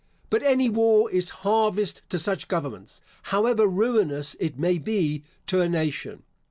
But any war is harvest to such governments, however ruinous it may be to a nation.